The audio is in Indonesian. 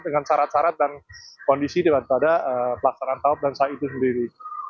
dengan syarat syarat dan kondisi daripada pelaksanaan tawaf dan ⁇ ya itu sendiri